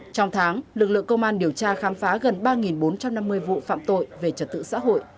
trong tháng lực lượng công an điều tra khám phá gần ba bốn trăm năm mươi vụ phạm tội về trật tự xã hội